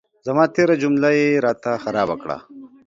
زما تېره جمله یې را ته خرابه کړه.